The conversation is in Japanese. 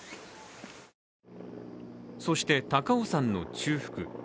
そして、高尾山の中腹。